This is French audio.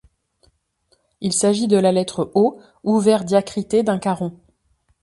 Il s’agit de la lettre O ouvert diacritée d'un caron.